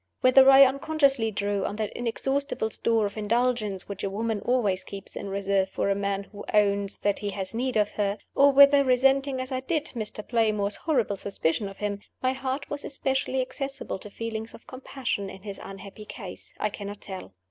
Whether I unconsciously drew on that inexhaustible store of indulgence which a woman always keeps in reserve for a man who owns that he has need of her, or whether, resenting as I did Mr. Playmore's horrible suspicion of him, my heart was especially accessible to feelings of compassion in his unhappy case, I cannot tell.